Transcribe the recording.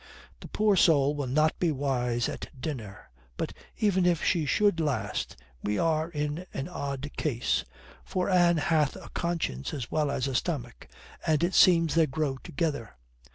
The poor soul will not be wise at dinner. But even if she should last, we are in an odd case. For Anne hath a conscience as well as a stomach, and it seems they grow together.